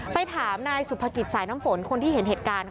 ไปถามนายสุภกิจสายน้ำฝนคนที่เห็นเหตุการณ์